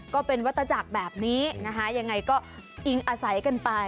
ก็เป็นวัตจักรแบบนี้นะคะยังไงก็อิงอาศัยกันไป